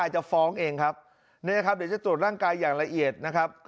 จะตรวจร่างกายอย่างละเอียดนะครับ